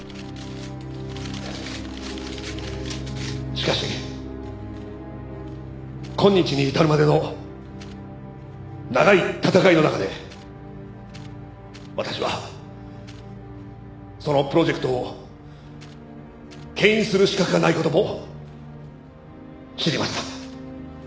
しかし今日に至るまでの長い闘いの中で私はそのプロジェクトを牽引する資格がない事も知りました。